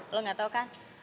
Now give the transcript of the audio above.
lo gak tau kan